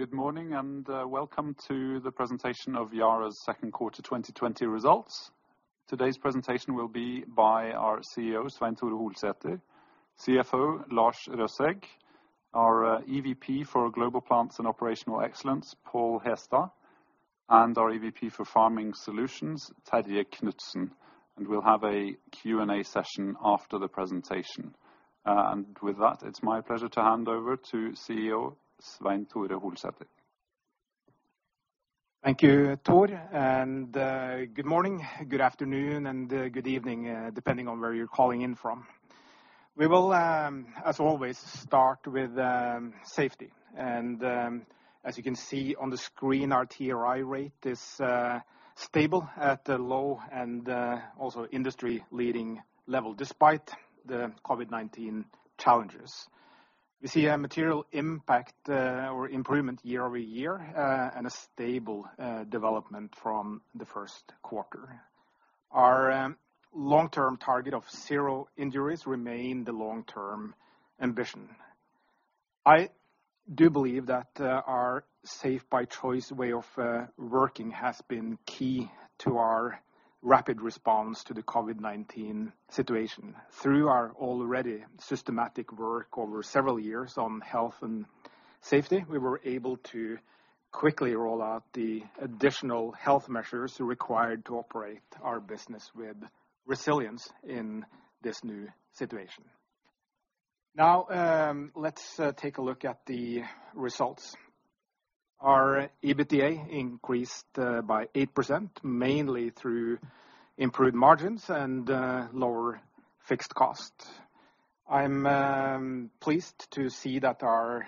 Good morning, welcome to the presentation of Yara's second quarter 2020 results. Today's presentation will be by our CEO, Svein Tore Holsether, CFO, Lars Røsæg, our EVP for Global Plants & Operational Excellence, Pål Hestad, our EVP for Farming Solutions, Terje Knutsen. We'll have a Q&A session after the presentation. With that, it's my pleasure to hand over to CEO Svein Tore Holsether. Thank you, Tore. Good morning, good afternoon, and good evening, depending on where you're calling in from. We will, as always, start with safety. As you can see on the screen, our TRI rate is stable at the low and also industry-leading level, despite the COVID-19 challenges. We see a material impact or improvement year-over-year, and a stable development from the first quarter. Our long-term target of zero injuries remain the long-term ambition. I do believe that our Safe by Choice way of working has been key to our rapid response to the COVID-19 situation. Through our already systematic work over several years on health and safety, we were able to quickly roll out the additional health measures required to operate our business with resilience in this new situation. Let's take a look at the results. Our EBITDA increased by 8%, mainly through improved margins and lower fixed costs. I'm pleased to see that our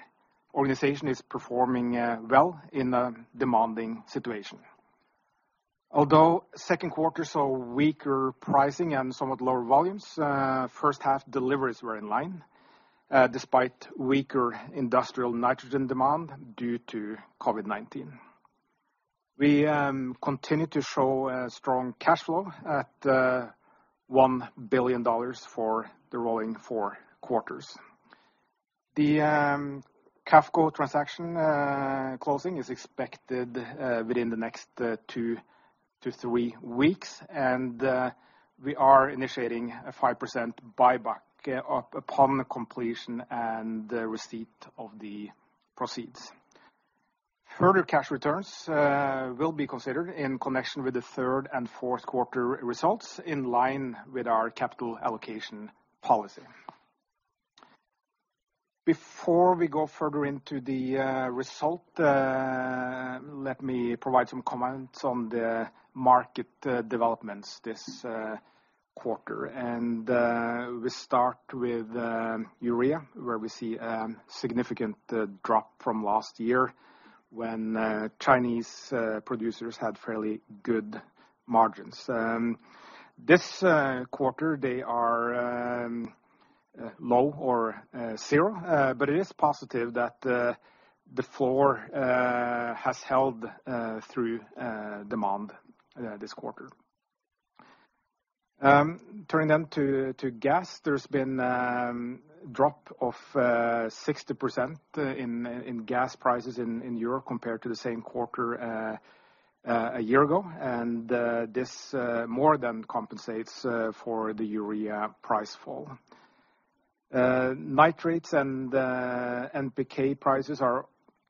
organization is performing well in a demanding situation. Although second quarter saw weaker pricing and somewhat lower volumes, first half deliveries were in line, despite weaker industrial nitrogen demand due to COVID-19. We continue to show strong cash flow at $1 billion for the rolling four quarters. The QAFCO transaction closing is expected within the next two to three weeks, and we are initiating a 5% buyback upon completion and receipt of the proceeds. Further cash returns will be considered in connection with the third and fourth quarter results, in line with our capital allocation policy. Before we go further into the result, let me provide some comments on the market developments this quarter. We start with urea, where we see a significant drop from last year when Chinese producers had fairly good margins. This quarter, they are low or zero, but it is positive that the floor has held through demand this quarter. Turning then to gas, there's been a drop of 60% in gas prices in Europe compared to the same quarter a year ago. This more than compensates for the urea price fall. Nitrates and NPK prices are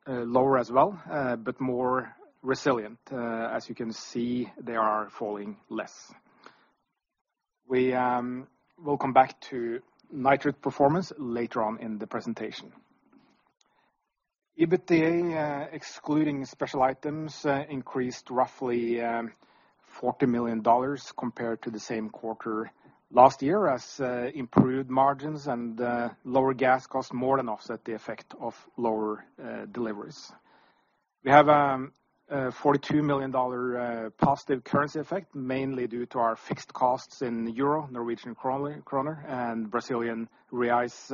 lower as well, but more resilient. As you can see, they are falling less. We'll come back to nitrate performance later on in the presentation. EBITDA, excluding special items, increased roughly $40 million compared to the same quarter last year, as improved margins and lower gas costs more than offset the effect of lower deliveries. We have a $42 million positive currency effect, mainly due to our fixed costs in the Euro, Norwegian kroner, and Brazilian reais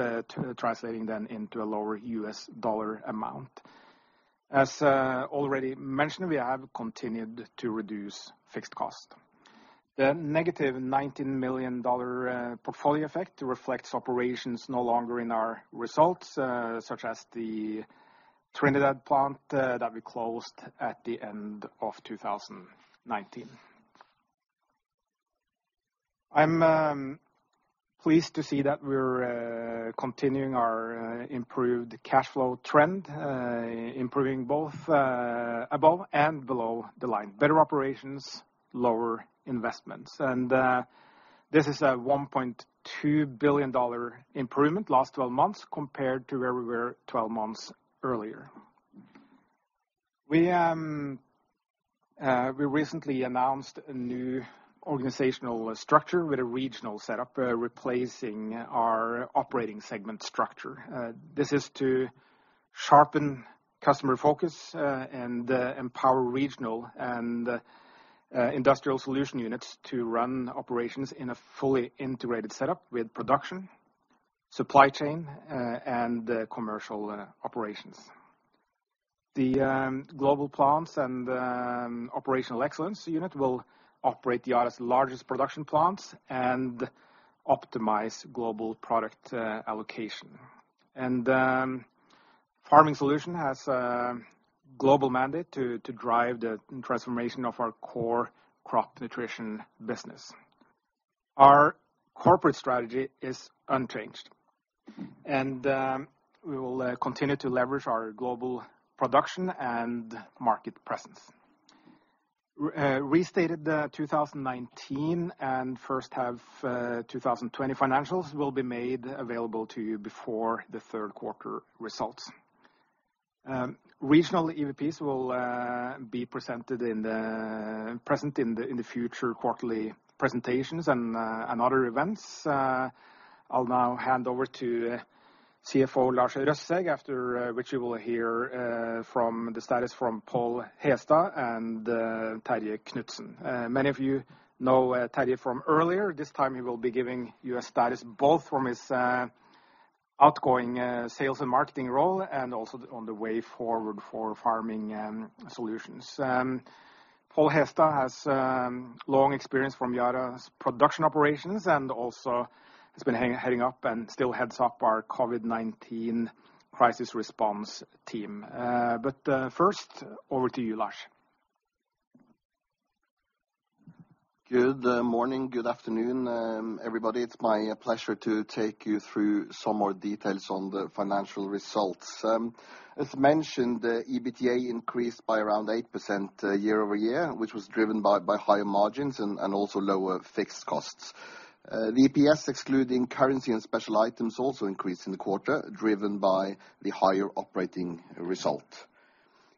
translating then into a lower US dollar amount. As already mentioned, we have continued to reduce fixed cost. The negative $19 million portfolio effect reflects operations no longer in our results, such as the Trinidad plant that we closed at the end of 2019. I'm pleased to see that we're continuing our improved cash flow trend, improving both above and below the line. Better operations, lower investments. This is a $1.2 billion improvement last 12 months compared to where we were 12 months earlier. We recently announced a new organizational structure with a regional setup, replacing our operating segment structure. This is to sharpen customer focus and empower regional and industrial solution units to run operations in a fully integrated setup with production, supply chain, and commercial operations. The Global Plants & Operational Excellence unit will operate Yara's largest production plants and optimize global product allocation. Farming Solutions has a global mandate to drive the transformation of our core crop nutrition business. Our corporate strategy is unchanged, and we will continue to leverage our global production and market presence. Restated the 2019 and first half 2020 financials will be made available to you before the third quarter results. Regional EVPs will be presented in the future quarterly presentations and other events. I'll now hand over to CFO Lars Røsæg, after which you will hear from the status from Pål Hestad and Terje Knutsen. Many of you know Terje from earlier. This time he will be giving you a status both from his outgoing sales and marketing role and also on the way forward for Farming Solutions. Pål Hestad has long experience from Yara's production operations and also has been heading up and still heads up our COVID-19 crisis response team. First, over to you, Lars. Good morning. Good afternoon, everybody. It is my pleasure to take you through some more details on the financial results. As mentioned, the EBITDA increased by around 8% year-over-year, which was driven by higher margins and also lower fixed costs. The EPS excluding currency and special items, also increased in the quarter driven by the higher operating result.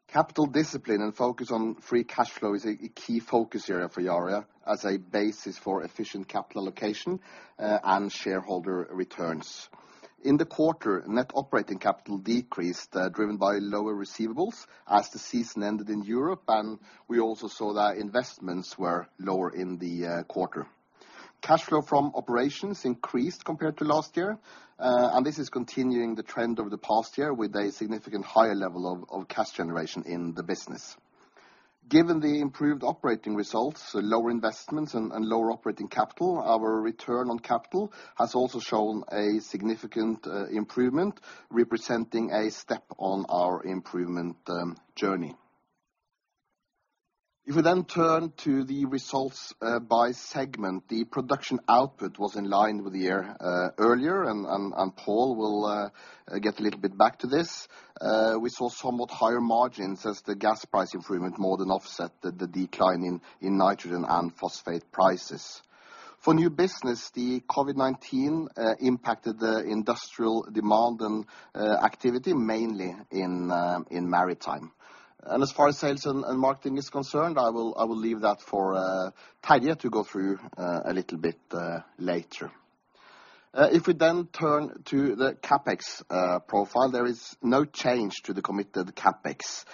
Capital discipline and focus on free cash flow is a key focus area for Yara as a basis for efficient capital allocation and shareholder returns. In the quarter, net operating capital decreased, driven by lower receivables as the season ended in Europe, and we also saw that investments were lower in the quarter. Cash flow from operations increased compared to last year, and this is continuing the trend over the past year with a significant higher level of cash generation in the business. Given the improved operating results, lower investments, and lower operating capital, our return on capital has also shown a significant improvement, representing a step on our improvement journey. Then we turn to the results by segment, the production output was in line with the year earlier and Pål will get a little bit back to this. We saw somewhat higher margins as the gas price improvement more than offset the decline in nitrogen and phosphate prices. For new business, the COVID-19 impacted the industrial demand and activity, mainly in maritime. As far as sales and marketing is concerned, I will leave that for Terje to go through a little bit later. Then we turn to the CapEx profile, there is no change to the committed CapEx.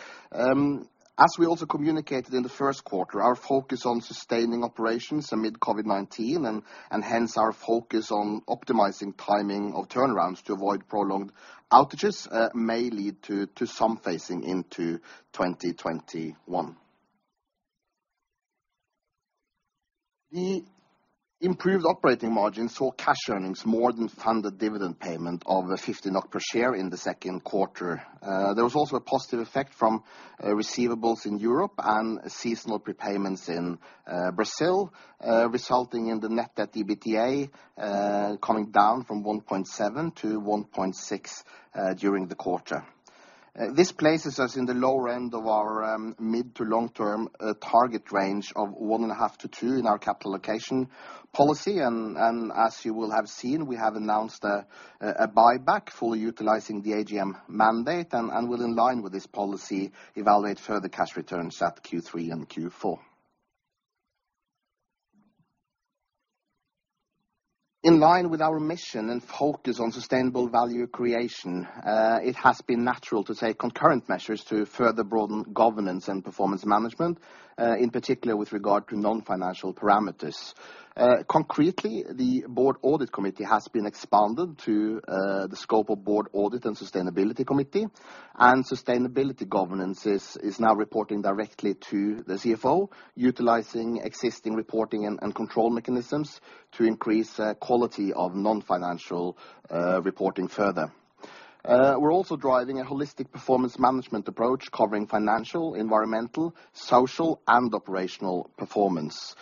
As we also communicated in the first quarter, our focus on sustaining operations amid COVID-19 and hence our focus on optimizing timing of turnarounds to avoid prolonged outages, may lead to some phasing into 2021. The improved operating margin saw cash earnings more than fund the dividend payment of 50 NOK per share in the second quarter. There was also a positive effect from receivables in Europe and seasonal prepayments in Brazil, resulting in the net debt EBITDA coming down from 1.7 to 1.6 during the quarter. This places us in the lower end of our mid to long-term target range of 1.5-2 in our capital allocation policy. As you will have seen, we have announced a buyback for utilizing the AGM mandate and will align with this policy, evaluate further cash returns at Q3 and Q4. In line with our mission and focus on sustainable value creation, it has been natural to take concurrent measures to further broaden governance and performance management, in particular with regard to non-financial parameters. Concretely, the board audit committee has been expanded to the scope of Audit and Sustainability Committee, and sustainability governance is now reporting directly to the CFO, utilizing existing reporting and control mechanisms to increase quality of non-financial reporting further. We're also driving a holistic performance management approach covering financial, environmental, social, and operational performance.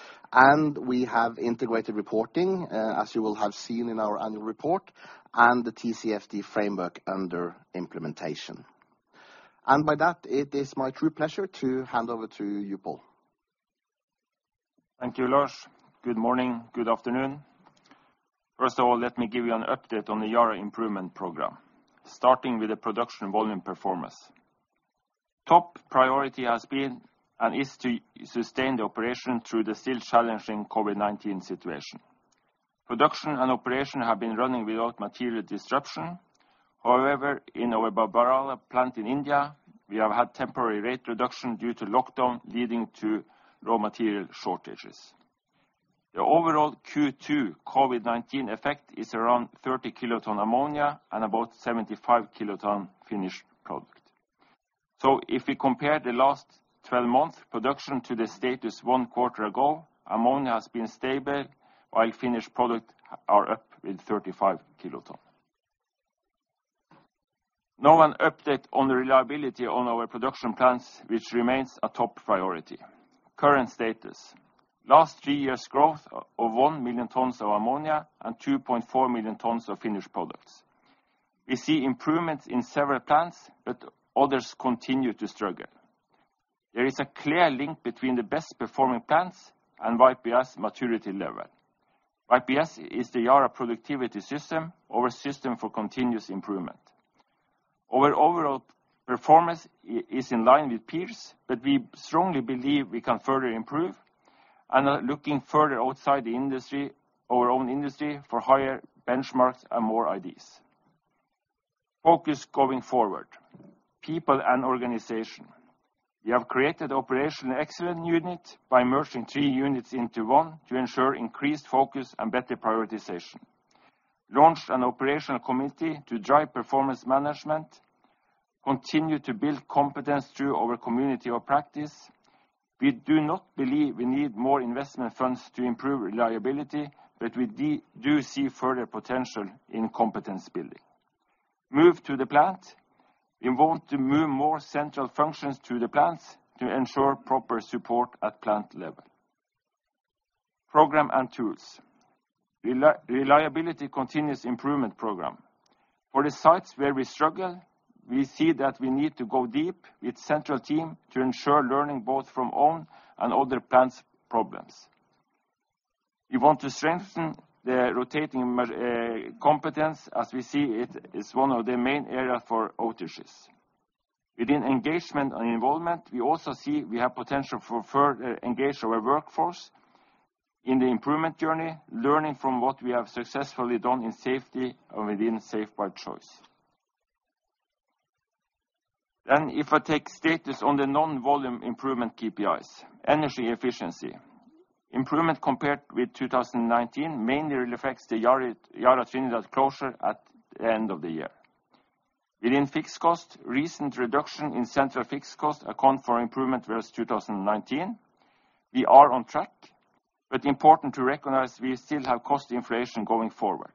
We have integrated reporting, as you will have seen in our annual report and the TCFD framework under implementation. By that, it is my true pleasure to hand over to you, Pål. Thank you, Lars. Good morning, good afternoon. Let me give you an update on the Yara Improvement Program. Starting with the production volume performance. Top priority has been and is to sustain the operation through the still challenging COVID-19 situation. Production and operation have been running without material disruption. In our Babrala plant in India, we have had temporary rate reduction due to lockdown leading to raw material shortages. The overall Q2 COVID-19 effect is around 30 kiloton ammonia and about 75 kiloton finished products. If we compare the last 12 months production to the status one quarter ago, ammonia has been stable, while finished product are up with 35 kiloton. An update on reliability on our production plants, which remains a top priority. Current status. Last three years growth of one million tons of ammonia and 2.4 million tons of finished products. We see improvements in several plants, but others continue to struggle. There is a clear link between the best performing plants and YPS maturity level. YPS is the Yara Productivity System, our system for continuous improvement. Our overall performance is in line with peers, but we strongly believe we can further improve and are looking further outside our own industry for higher benchmarks and more ideas. Focus going forward: people and organization. We have created the operational excellence unit by merging three units into one to ensure increased focus and better prioritization. Launched an operational committee to drive performance management, continue to build competence through our Community of Practice. We do not believe we need more investment funds to improve reliability, but we do see further potential in competence building. Move to the plant. We want to move more central functions to the plants to ensure proper support at plant level. Program and tools. Reliability continuous improvement program. For the sites where we struggle, we see that we need to go deep with central team to ensure learning both from own and other plants' problems. We want to strengthen the rotating competence, as we see it is one of the main areas for outages. Within engagement and involvement, we also see we have potential for further engage our workforce in the improvement journey, learning from what we have successfully done in safety and within Safe by Choice. If I take status on the non-volume improvement KPIs. Energy efficiency. Improvement compared with 2019 mainly reflects the Yara Trinidad closure at the end of the year. Within fixed cost, recent reduction in central fixed cost account for improvement versus 2019. We are on track, but important to recognize we still have cost inflation going forward.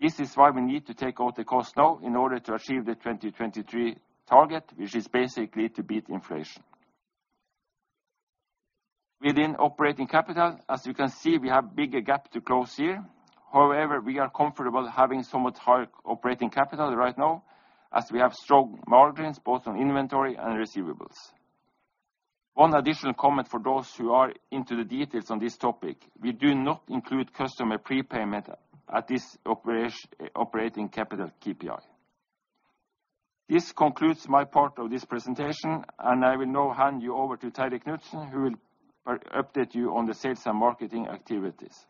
This is why we need to take out the cost now in order to achieve the 2023 target, which is basically to beat inflation. Within operating capital, as you can see, we have bigger gap to close here. However, we are comfortable having somewhat higher operating capital right now as we have strong margins both on inventory and receivables. One additional comment for those who are into the details on this topic, we do not include customer prepayment at this operating capital KPI. This concludes my part of this presentation, and I will now hand you over to Terje Knutsen, who will update you on the sales and marketing activities.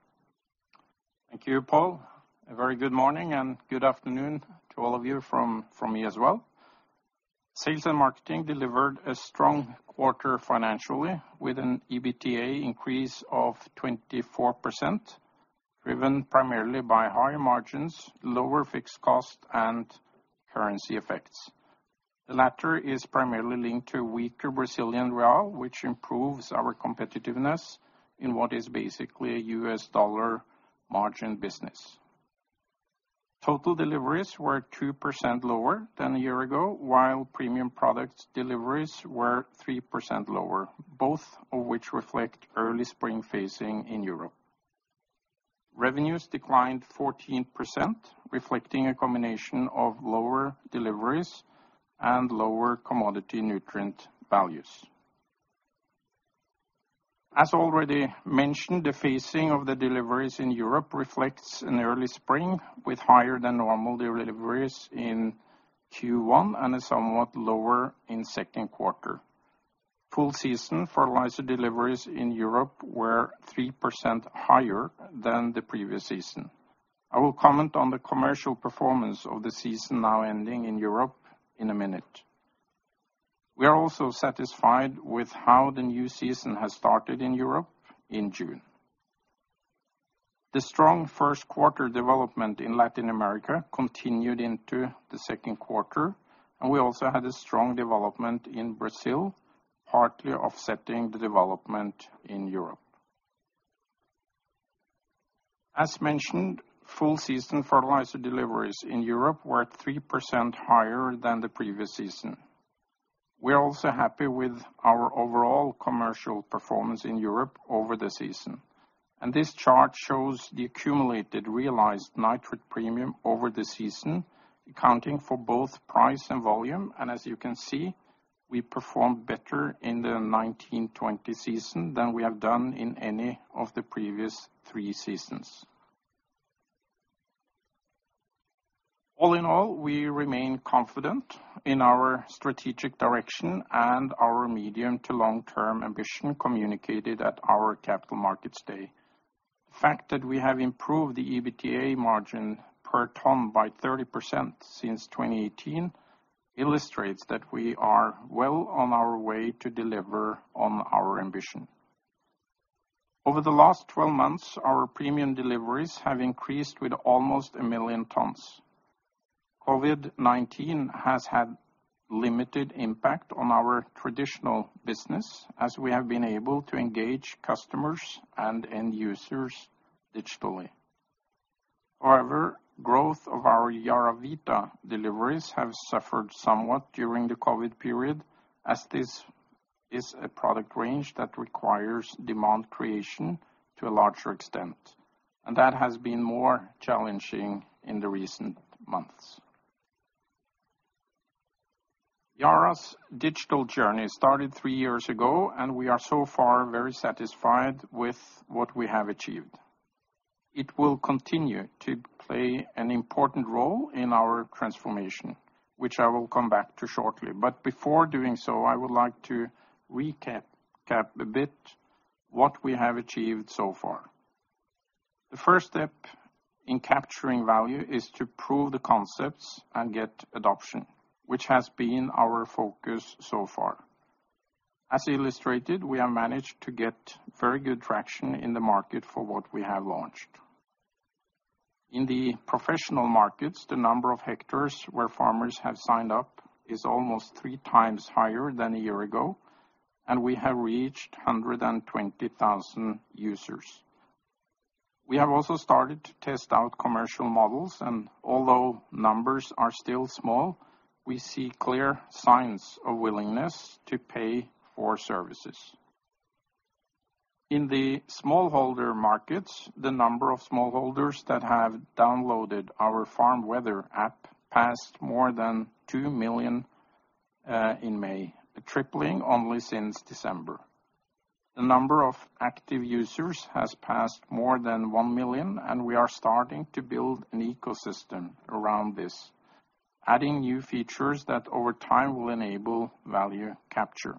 Thank you, Pål. A very good morning and good afternoon to all of you from me as well. Sales and marketing delivered a strong quarter financially with an EBITDA increase of 24%, driven primarily by higher margins, lower fixed costs, and currency effects. The latter is primarily linked to weaker Brazilian real, which improves our competitiveness in what is basically a US dollar margin business. Total deliveries were 2% lower than a year ago, while premium product deliveries were 3% lower, both of which reflect early spring phasing in Europe. Revenues declined 14%, reflecting a combination of lower deliveries and lower commodity nutrient values. As already mentioned, the phasing of the deliveries in Europe reflects an early spring, with higher than normal deliveries in Q1 and is somewhat lower in second quarter. Full season fertilizer deliveries in Europe were 3% higher than the previous season. I will comment on the commercial performance of the season now ending in Europe in a minute. We are also satisfied with how the new season has started in Europe in June. The strong first quarter development in Latin America continued into the second quarter, and we also had a strong development in Brazil, partly offsetting the development in Europe. As mentioned, full season fertilizer deliveries in Europe were 3% higher than the previous season. We're also happy with our overall commercial performance in Europe over the season, and this chart shows the accumulated realized nitrate premium over the season, accounting for both price and volume. As you can see, we performed better in the 2019, 2020 season than we have done in any of the previous three seasons. All in all, we remain confident in our strategic direction and our medium to long-term ambition communicated at our Capital Markets Day. The fact that we have improved the EBITDA margin per ton by 30% since 2018 illustrates that we are well on our way to deliver on our ambition. Over the last 12 months, our premium deliveries have increased with almost a million tons. COVID-19 has had limited impact on our traditional business as we have been able to engage customers and end users digitally. However, growth of our YaraVita deliveries have suffered somewhat during the COVID period, as this is a product range that requires demand creation to a larger extent, and that has been more challenging in the recent months. Yara's digital journey started three years ago, and we are so far very satisfied with what we have achieved. It will continue to play an important role in our transformation, which I will come back to shortly. Before doing so, I would like to recap a bit what we have achieved so far. The first step in capturing value is to prove the concepts and get adoption, which has been our focus so far. As illustrated, we have managed to get very good traction in the market for what we have launched. In the professional markets, the number of hectares where farmers have signed up is almost three times higher than a year ago, and we have reached 120,000 users. We have also started to test out commercial models, and although numbers are still small, we see clear signs of willingness to pay for services. In the smallholder markets, the number of smallholders that have downloaded our Farm Weather app passed more than 2 million in May, tripling only since December. The number of active users has passed more than 1 million. We are starting to build an ecosystem around this, adding new features that over time will enable value capture.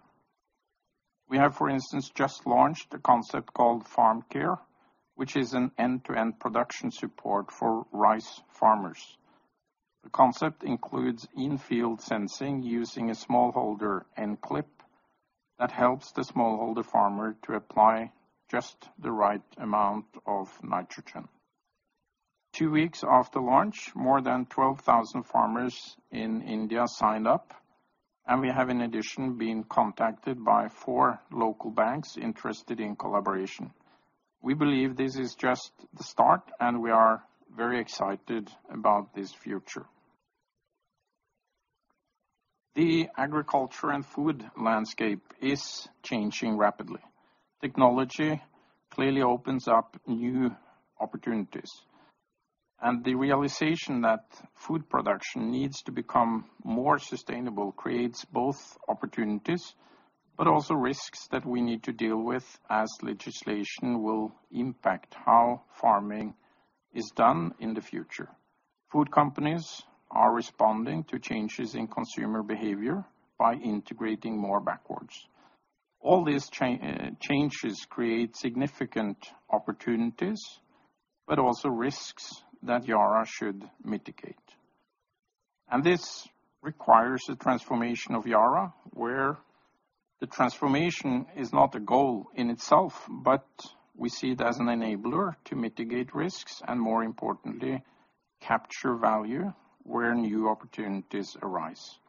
We have, for instance, just launched a concept called Farm Care, which is an end-to-end production support for rice farmers. The concept includes in-field sensing using a smallholder N-CLIP that helps the smallholder farmer to apply just the right amount of nitrogen. Two weeks after launch, more than 12,000 farmers in India signed up, and we have in addition, been contacted by four local banks interested in collaboration. We believe this is just the start, and we are very excited about this future. The agriculture and food landscape is changing rapidly. Technology clearly opens up new opportunities, and the realization that food production needs to become more sustainable creates both opportunities, but also risks that we need to deal with as legislation will impact how farming is done in the future. Food companies are responding to changes in consumer behavior by integrating more backwards. All these changes create significant opportunities, but also risks that Yara should mitigate. This requires a transformation of Yara, where the transformation is not a goal in itself, but we see it as an enabler to mitigate risks and more importantly, capture value where new opportunities arise.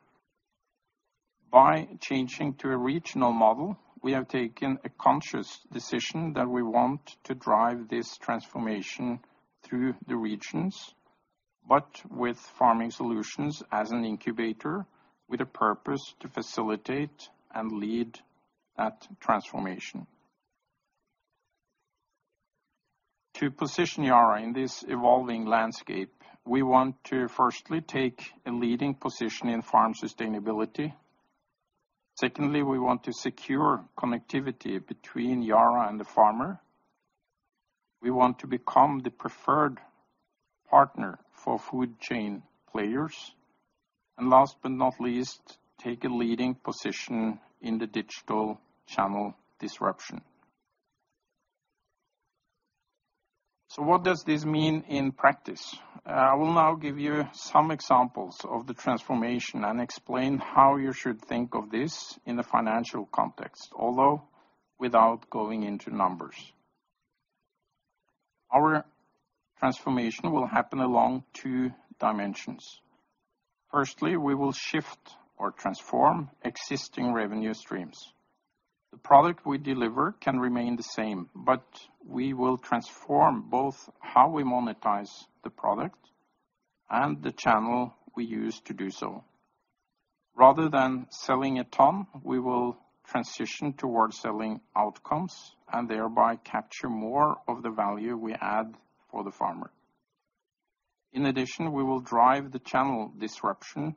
By changing to a regional model, we have taken a conscious decision that we want to drive this transformation through the regions, but with Farming Solutions as an incubator, with a purpose to facilitate and lead that transformation. To position Yara in this evolving landscape, we want to firstly take a leading position in farm sustainability. Secondly, we want to secure connectivity between Yara and the farmer. We want to become the preferred partner for food chain players. Last but not least, take a leading position in the digital channel disruption. What does this mean in practice? I will now give you some examples of the transformation and explain how you should think of this in a financial context, although without going into numbers. Our transformation will happen along two dimensions. Firstly, we will shift or transform existing revenue streams. The product we deliver can remain the same, but we will transform both how we monetize the product and the channel we use to do so. Rather than selling a ton, we will transition towards selling outcomes and thereby capture more of the value we add for the farmer. We will drive the channel disruption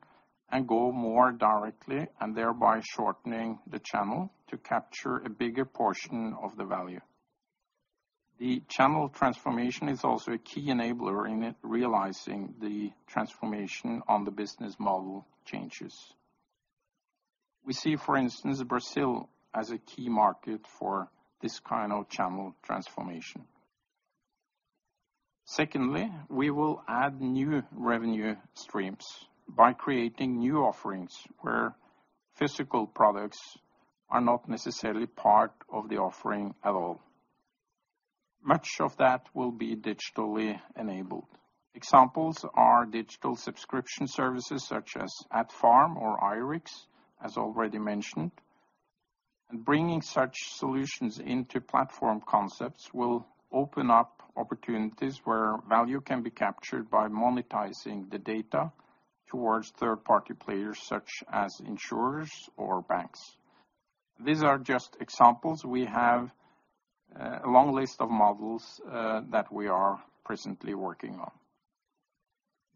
and go more directly and thereby shortening the channel to capture a bigger portion of the value. The channel transformation is also a key enabler in realizing the transformation on the business model changes. We see, for instance, Brazil as a key market for this kind of channel transformation. Secondly, we will add new revenue streams by creating new offerings where physical products are not necessarily part of the offering at all. Much of that will be digitally enabled. Examples are digital subscription services such as Atfarm or YaraIrix, as already mentioned. Bringing such solutions into platform concepts will open up opportunities where value can be captured by monetizing the data towards third-party players, such as insurers or banks. These are just examples. We have a long list of models that we are presently working on.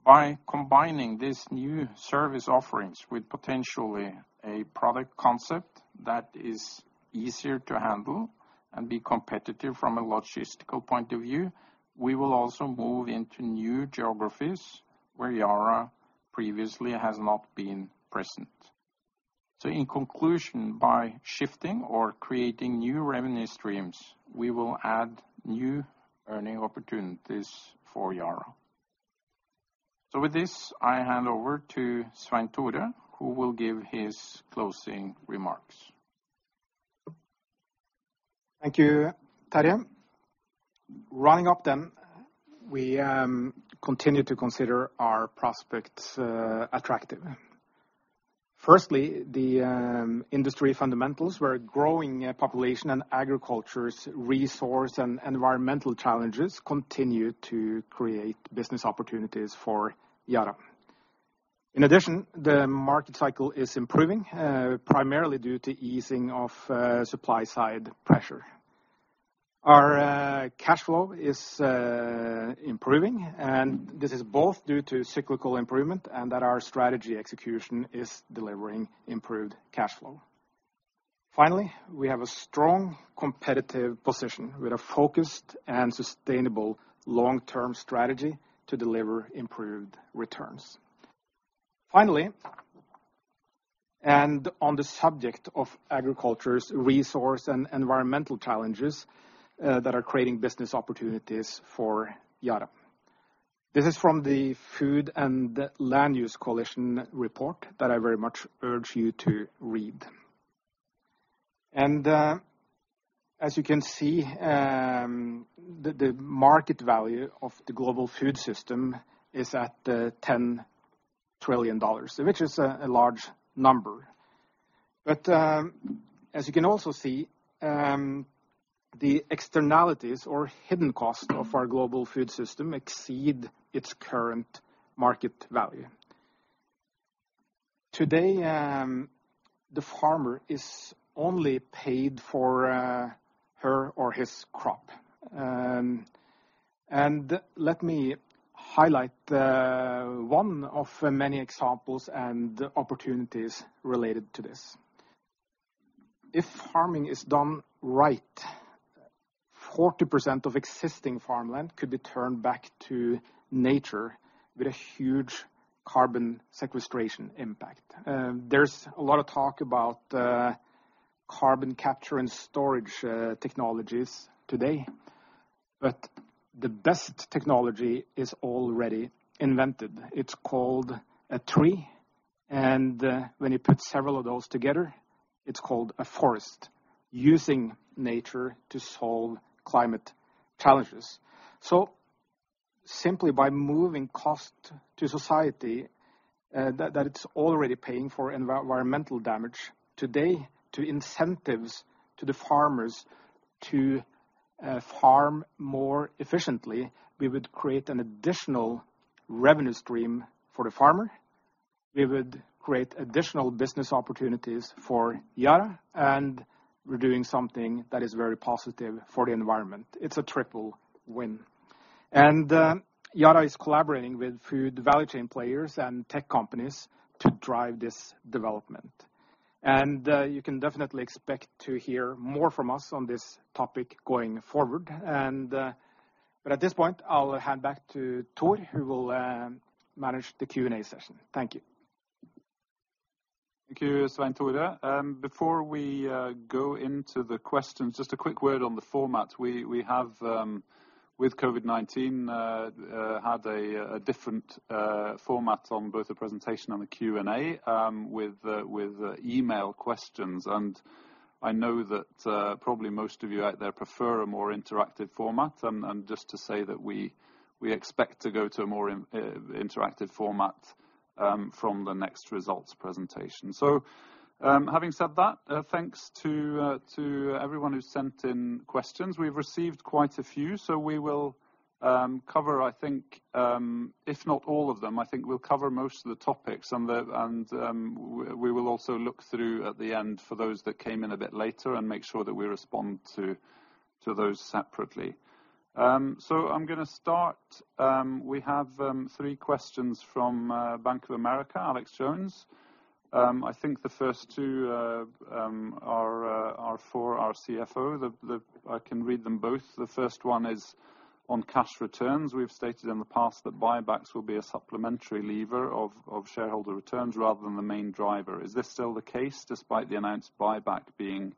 By combining these new service offerings with potentially a product concept that is easier to handle and be competitive from a logistical point of view, we will also move into new geographies where Yara previously has not been present. In conclusion, by shifting or creating new revenue streams, we will add new earning opportunities for Yara. With this, I hand over to Svein Tore, who will give his closing remarks. Thank you, Terje. Running up then, we continue to consider our prospects attractive. Firstly, the industry fundamentals, where a growing population and agriculture's resource and environmental challenges continue to create business opportunities for Yara. In addition, the market cycle is improving, primarily due to easing of supply-side pressure. Our cash flow is improving, and this is both due to cyclical improvement and that our strategy execution is delivering improved cash flow. Finally, we have a strong competitive position with a focused and sustainable long-term strategy to deliver improved returns. Finally, on the subject of agriculture's resource and environmental challenges that are creating business opportunities for Yara. This is from the Food and Land Use Coalition report that I very much urge you to read. As you can see, the market value of the global food system is at $10 trillion, which is a large number. As you can also see, the externalities or hidden cost of our global food system exceed its current market value. Today, the farmer is only paid for her or his crop. Let me highlight one of many examples and opportunities related to this. If farming is done right, 40% of existing farmland could be turned back to nature with a huge carbon sequestration impact. There's a lot of talk about carbon capture and storage technologies today. The best technology is already invented. It's called a tree, and when you put several of those together, it's called a forest. Using nature to solve climate challenges. Simply by moving cost to society, that it's already paying for environmental damage today, to incentives to the farmers to farm more efficiently, we would create an additional revenue stream for the farmer. We would create additional business opportunities for Yara, and we're doing something that is very positive for the environment. It's a triple win. Yara is collaborating with food value chain players and tech companies to drive this development. You can definitely expect to hear more from us on this topic going forward. At this point, I'll hand back to Tore, who will manage the Q&A session. Thank you. Thank you, Svein Tore. Before we go into the questions, just a quick word on the format. We have, with COVID-19, had a different format on both the presentation and the Q&A, with email questions, and I know that probably most of you out there prefer a more interactive format, and just to say that we expect to go to a more interactive format from the next results presentation. Having said that, thanks to everyone who sent in questions. We've received quite a few. We will cover, I think, if not all of them, I think we'll cover most of the topics. We will also look through at the end for those that came in a bit later and make sure that we respond to those separately. I'm going to start. We have three questions from Bank of America, Alexander Jones. I think the first two are for our CFO. I can read them both. The first one is on cash returns. We've stated in the past that buybacks will be a supplementary lever of shareholder returns rather than the main driver. Is this still the case, despite the announced buyback being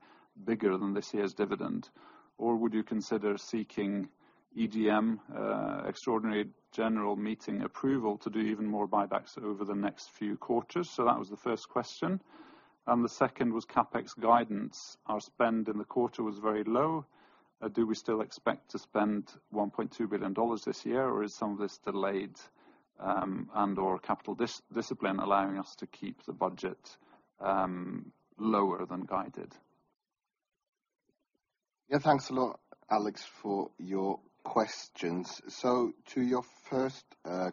bigger than this year's dividend? Or would you consider seeking EGM, extraordinary general meeting approval to do even more buybacks over the next few quarters. That was the first question. The second was CapEx guidance. Our spend in the quarter was very low. Do we still expect to spend $1.2 billion this year, or is some of this delayed, and/or capital discipline allowing us to keep the budget lower than guided? Yeah. Thanks a lot, Alex, for your questions. To your first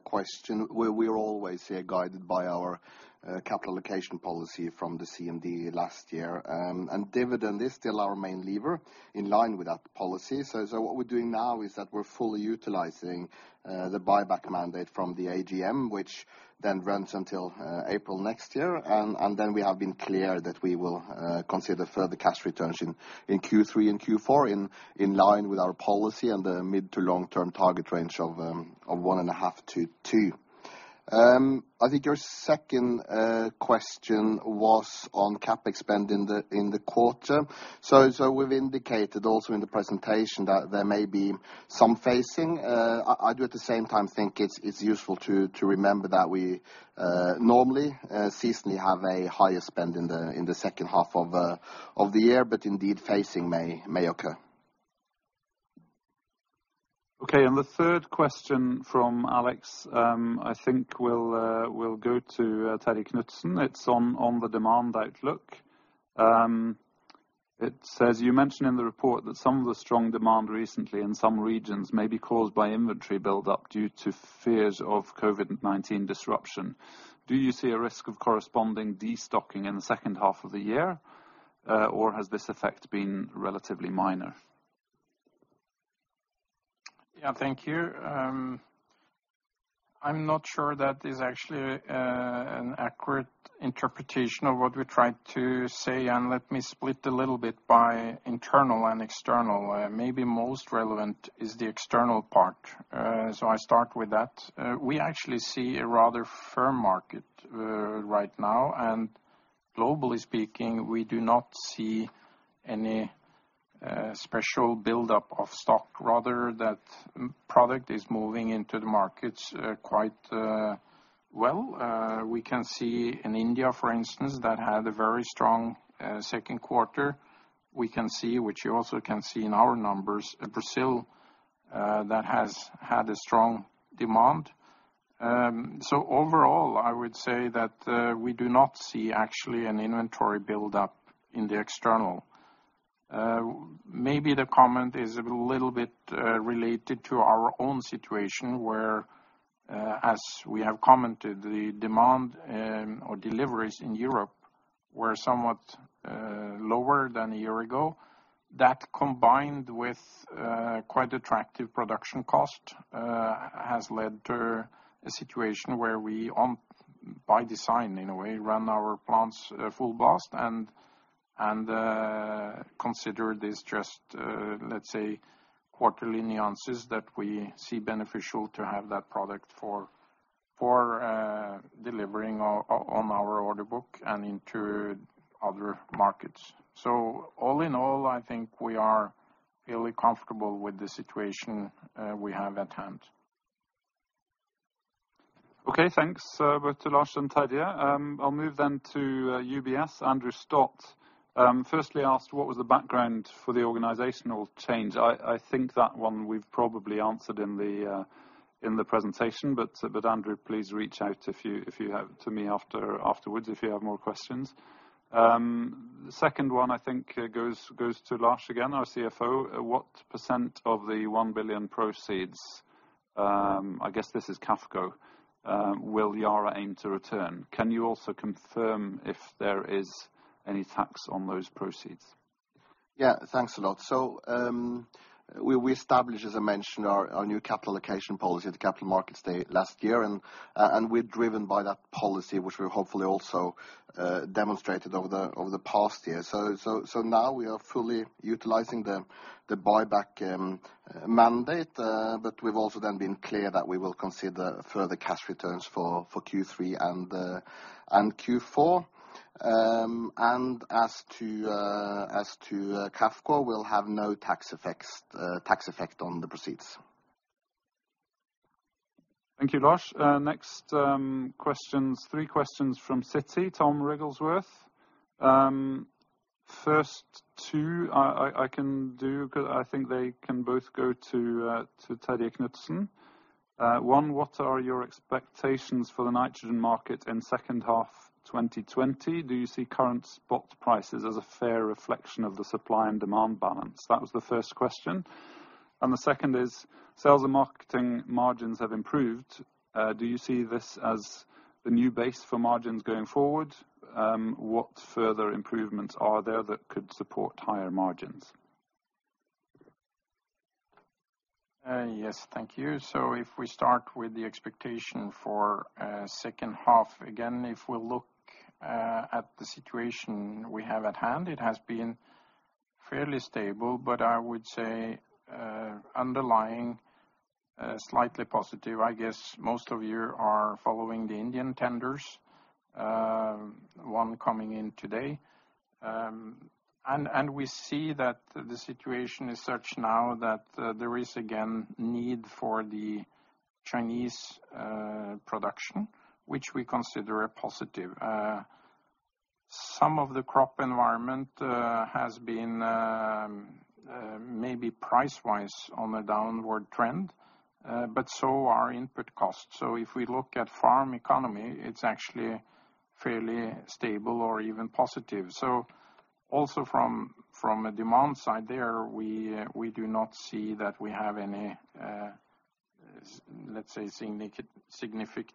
question, where we are always guided by our capital allocation policy from the CMD last year. Dividend is still our main lever in line with that policy. What we're doing now is that we're fully utilizing the buyback mandate from the AGM, which then runs until April next year. Then we have been clear that we will consider further cash returns in Q3 and Q4 in line with our policy and the mid to long-term target range of 1.5 to 2. I think your second question was on CapEx spend in the quarter. We've indicated also in the presentation that there may be some phasing. I do at the same time think it's useful to remember that we normally, seasonally have a higher spend in the second half of the year, but indeed, phasing may occur. Okay. The third question from Alex, I think will go to Terje Knutsen. It's on the demand outlook. It says, "You mentioned in the report that some of the strong demand recently in some regions may be caused by inventory buildup due to fears of COVID-19 disruption. Do you see a risk of corresponding destocking in the second half of the year? Has this effect been relatively minor? Yeah. Thank you. I'm not sure that is actually an accurate interpretation of what we tried to say. Let me split a little bit by internal and external. Maybe most relevant is the external part. I start with that. We actually see a rather firm market right now. Globally speaking, we do not see any special buildup of stock. Rather that product is moving into the markets quite well. We can see in India, for instance, that had a very strong second quarter. We can see, which you also can see in our numbers, Brazil, that has had a strong demand. Overall, I would say that we do not see actually an inventory buildup in the external. Maybe the comment is a little bit related to our own situation where, as we have commented, the demand or deliveries in Europe were somewhat lower than a year ago. That combined with quite attractive production cost, has led to a situation where we by design, in a way, run our plants full blast and consider this just, let's say, quarterly nuances that we see beneficial to have that product for delivering on our order book and into other markets. All in all, I think we are fairly comfortable with the situation we have at hand. Okay. Thanks both to Lars and Terje. I'll move then to UBS, Andrew Stott. Firstly asked what was the background for the organizational change. I think that one we've probably answered in the presentation. Andrew, please reach out to me afterwards if you have more questions. Second one, I think goes to Lars again, our CFO. What percent of the $1 billion proceeds, I guess this is QAFCO, will Yara aim to return? Can you also confirm if there is any tax on those proceeds? Yeah. Thanks a lot. We established, as I mentioned, our new capital allocation policy at the Capital Markets Day last year. We're driven by that policy, which we hopefully also demonstrated over the past year. Now we are fully utilizing the buyback mandate, but we've also then been clear that we will consider further cash returns for Q3 and Q4. As to QAFCO, we'll have no tax effect on the proceeds. Thank you, Lars. Next questions, three questions from Citi, Thomas Wrigglesworth. First two I can do, I think they can both go to Terje Knutsen. One, what are your expectations for the nitrogen market in second half 2020? Do you see current spot prices as a fair reflection of the supply and demand balance? That was the first question. The second is, sales and marketing margins have improved. Do you see this as the new base for margins going forward? What further improvements are there that could support higher margins? Yes. Thank you. If we start with the expectation for second half, again, if we look at the situation we have at hand, it has been fairly stable. I would say underlying slightly positive. I guess most of you are following the Indian tenders, one coming in today. We see that the situation is such now that there is again need for the Chinese production, which we consider a positive. Some of the crop environment has been, maybe price-wise, on a downward trend, but so are input costs. If we look at farm economy, it's actually fairly stable or even positive. Also from a demand side there, we do not see that we have any, let's say, significant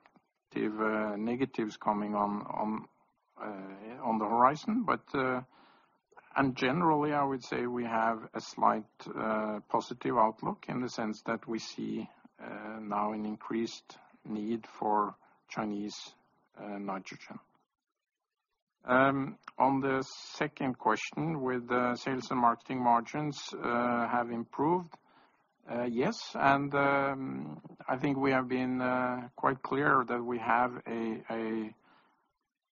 negatives coming on the horizon. Generally, I would say we have a slight positive outlook in the sense that we see now an increased need for Chinese nitrogen. On the second question with sales and marketing margins have improved. Yes, I think we have been quite clear that we have a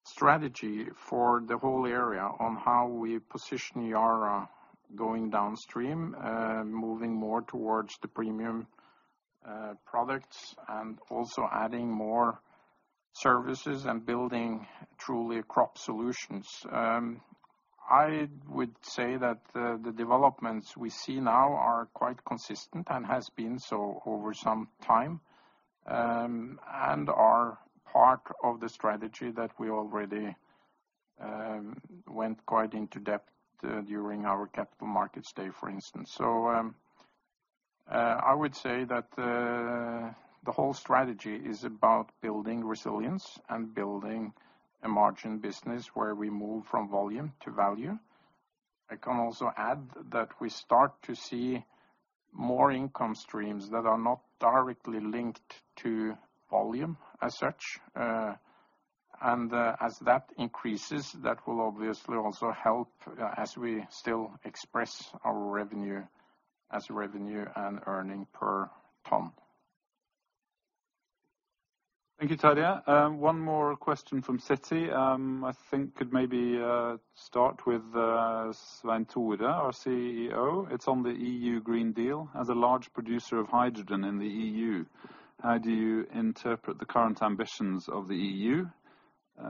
strategy for the whole area on how we position Yara going downstream, moving more towards the premium products and also adding more services and building truly crop solutions. I would say that the developments we see now are quite consistent and have been so over some time, and are part of the strategy that we already went quite into depth during our Capital Markets Day, for instance. I would say that the whole strategy is about building resilience and building a margin business where we move from volume to value. I can also add that we start to see more income streams that are not directly linked to volume as such. As that increases, that will obviously also help as we still express our revenue as revenue and earning per ton. Thank you, Terje. One more question from Citi. I think could maybe start with Svein Tore, our CEO. It's on the European Green Deal. As a large producer of hydrogen in the EU, how do you interpret the current ambitions of the EU?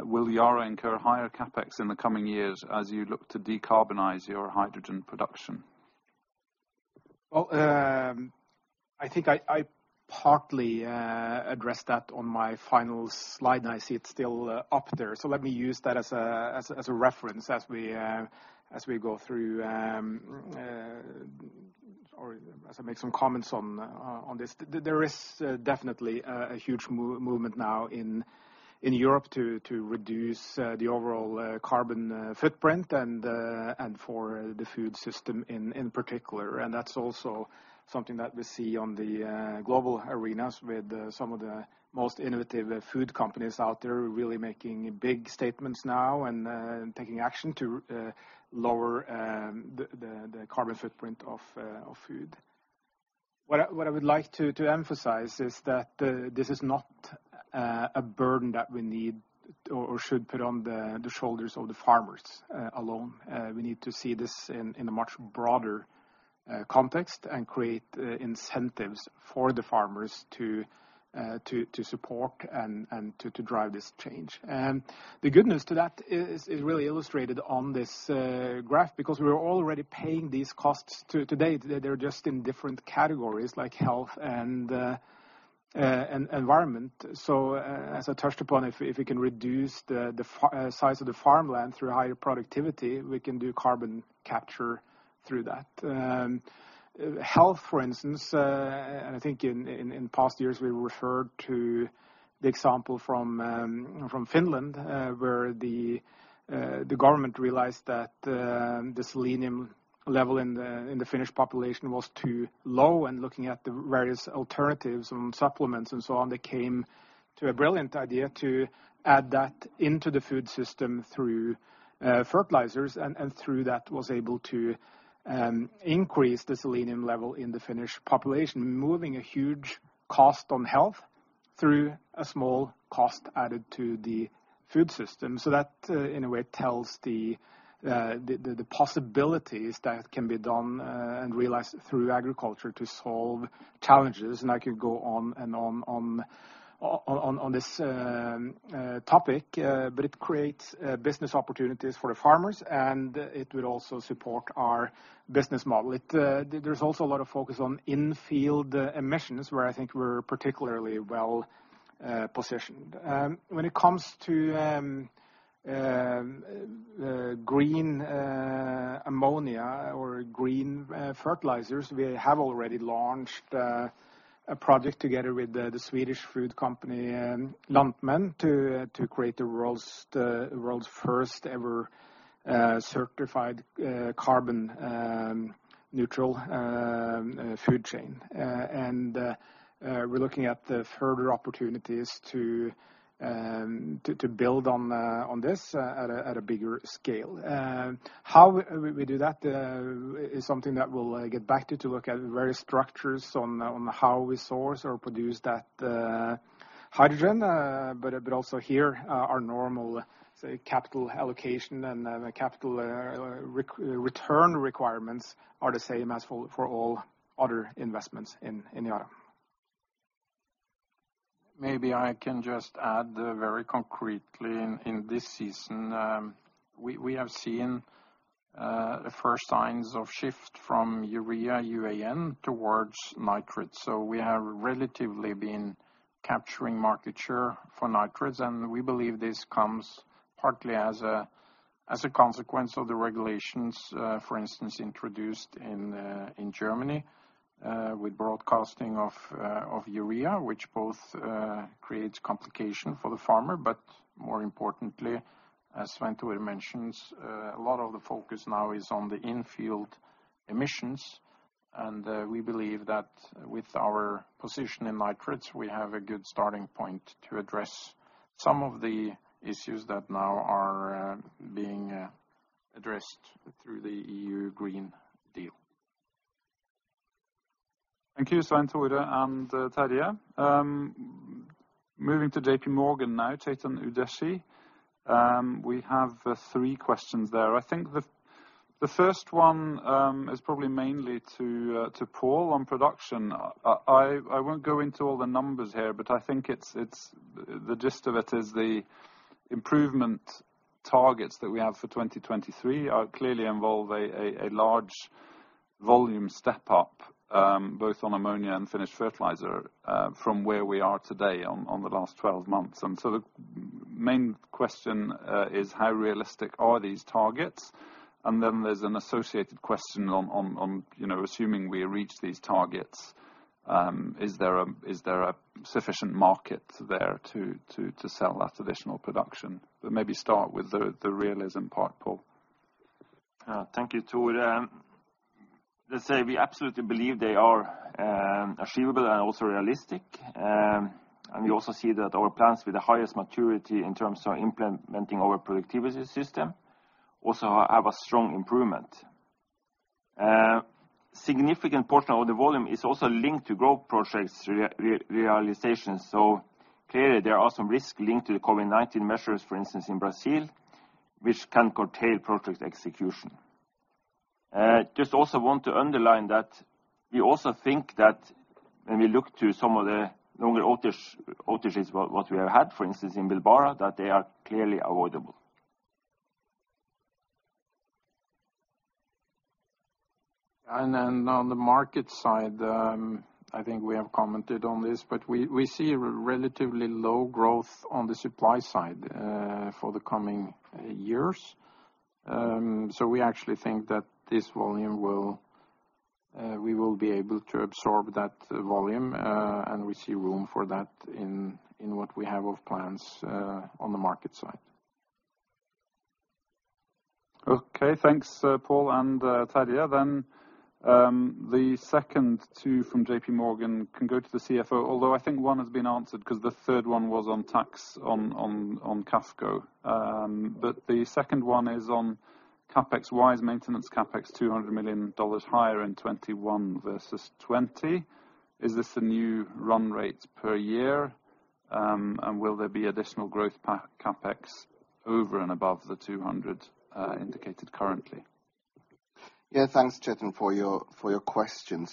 Will Yara incur higher CapEx in the coming years as you look to decarbonize your hydrogen production? Well, I think I partly addressed that on my final slide, and I see it's still up there. Let me use that as a reference as we go through or as I make some comments on this. There is definitely a huge movement now in Europe to reduce the overall carbon footprint and for the food system in particular. That's also something that we see on the global arenas with some of the most innovative food companies out there, really making big statements now and taking action to lower the carbon footprint of food. What I would like to emphasize is that this is not a burden that we need or should put on the shoulders of the farmers alone. We need to see this in a much broader context and create incentives for the farmers to support and to drive this change. The good news to that is really illustrated on this graph. We're already paying these costs to date. They're just in different categories, like health and environment. As I touched upon, if we can reduce the size of the farmland through higher productivity, we can do carbon capture through that. Health, for instance, I think in past years, we referred to the example from Finland, where the government realized that the selenium level in the Finnish population was too low and looking at the various alternatives and supplements and so on, they came to a brilliant idea to add that into the food system through fertilizers, and through that was able to increase the selenium level in the Finnish population. Moving a huge cost on health through a small cost added to the food system. That in a way tells the possibilities that can be done and realized through agriculture to solve challenges. I could go on and on this topic. It creates business opportunities for the farmers, and it will also support our business model. There's also a lot of focus on in-field emissions, where I think we're particularly well-positioned. When it comes to green ammonia or green fertilizers, we have already launched a project together with the Swedish food company Lantmännen to create the world's first-ever certified carbon-neutral food chain. We're looking at the further opportunities to build on this at a bigger scale. How we do that is something that we'll get back to look at various structures on how we source or produce that hydrogen. Also here, our normal capital allocation and the capital return requirements are the same as for all other investments in Yara. Maybe I can just add very concretely in this season, we have seen the first signs of shift from urea, UAN, towards nitrate. We have relatively been capturing market share for nitrates, and we believe this comes partly as a consequence of the regulations, for instance, introduced in Germany, with broadcasting of urea, which both creates complication for the farmer. More importantly, as Svein Tore mentions, a lot of the focus now is on the in-field emissions. We believe that with our position in nitrates, we have a good starting point to address some of the issues that now are being addressed through the European Green Deal. Thank you, Svein Tore and Terje. Moving to J.P. Morgan now, Chetan Udeshi. We have three questions there. I think the first one is probably mainly to Pål on production. I won't go into all the numbers here, but I think the gist of it is the improvement targets that we have for 2023 clearly involve a large volume step-up, both on ammonia and finished fertilizer, from where we are today on the last 12 months. The main question is how realistic are these targets? Then there's an associated question on assuming we reach these targets, is there a sufficient market there to sell that additional production? Maybe start with the realism part, Pål. Thank you, Tore. Let's say we absolutely believe they are achievable and also realistic. We also see that our plants with the highest maturity in terms of implementing our Yara Productivity System also have a strong improvement. A significant portion of the volume is also linked to growth projects realization. Clearly there are some risks linked to the COVID-19 measures, for instance, in Brazil, which can curtail project execution. Just also want to underline that we also think that when we look to some of the longer outages, what we have had, for instance, in Pilbara, that they are clearly avoidable. On the market side, I think we have commented on this, but we see relatively low growth on the supply side for the coming years. We actually think that we will be able to absorb that volume, and we see room for that in what we have of plans on the market side. Okay. Thanks, Pål and Terje. The second 2 from J.P. Morgan can go to the CFO, although I think one has been answered because the third one was on tax on QAFCO. The second 1 is on CapEx. Why is maintenance CapEx $200 million higher in 2021 versus 2020? Is this a new run rate per year? Will there be additional growth CapEx over and above the 200 indicated currently? Thanks, Chetan, for your question.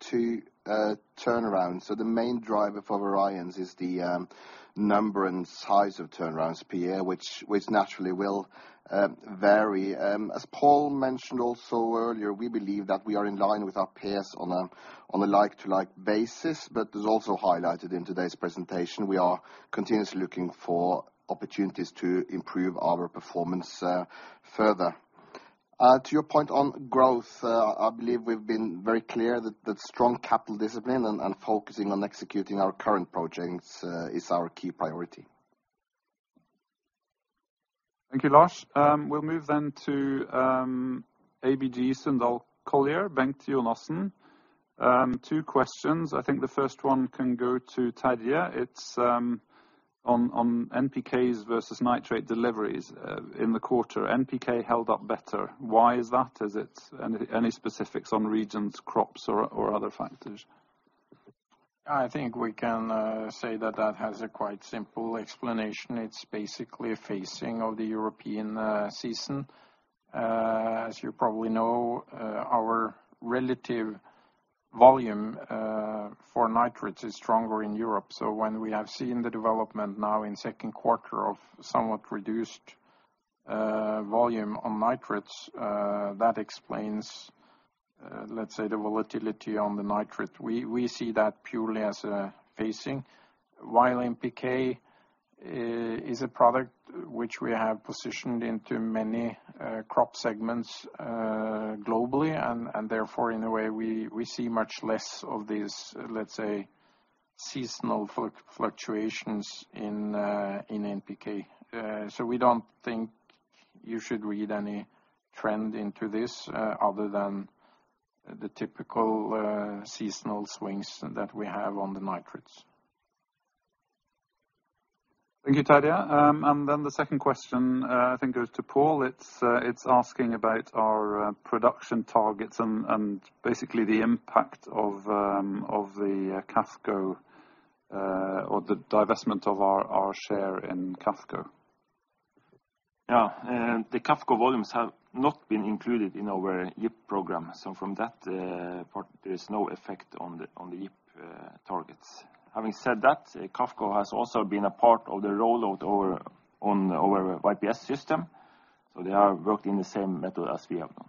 Two turnarounds. The main driver for variance is the number and size of turnarounds per year, which naturally will vary. As Pål mentioned also earlier, we believe that we are in line with our peers on a like-to-like basis, but as also highlighted in today's presentation, we are continuously looking for opportunities to improve our performance further. To your point on growth, I believe we've been very clear that strong capital discipline and focusing on executing our current projects is our key priority. Thank you, Lars. We'll move then to ABG Sundal Collier, Bengt Jonassen. Two questions. I think the first one can go to Terje. It's on NPKs versus nitrate deliveries in the quarter. NPK held up better. Why is that? Any specifics on regions, crops or other factors? I think we can say that that has a quite simple explanation. It's basically a phasing of the European season. As you probably know, our relative volume for nitrates is stronger in Europe. When we have seen the development now in second quarter of somewhat reduced volume on nitrates, that explains, let's say, the volatility on the nitrate. We see that purely as a phasing. NPK is a product which we have positioned into many crop segments globally, and therefore, in a way, we see much less of these, let's say, seasonal fluctuations in NPK. We don't think you should read any trend into this other than the typical seasonal swings that we have on the nitrates. Thank you, Terje. The second question I think goes to Pål. It's asking about our production targets and basically the impact of the divestment of our share in QAFCO. The QAFCO volumes have not been included in our YIP program. From that part, there is no effect on the YIP targets. Having said that, QAFCO has also been a part of the rollout on our YPS system, so they are working the same method as we have done.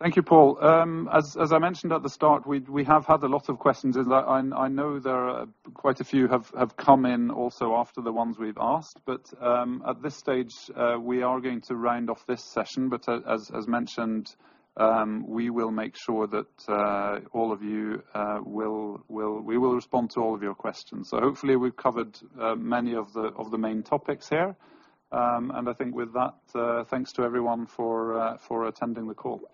Thank you, Pål. As I mentioned at the start, we have had a lot of questions. I know quite a few have come in also after the ones we've asked. At this stage, we are going to round off this session. As mentioned, we will make sure that we will respond to all of your questions. Hopefully we've covered many of the main topics here. I think with that, thanks to everyone for attending the call.